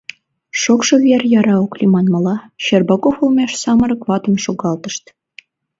Шокшо вер яра ок лий, манмыла, Щербаков олмеш самырык ватым шогалтышт.